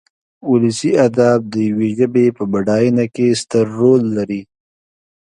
ولسي ادب د يوې ژبې په بډاينه کې ستر رول لري.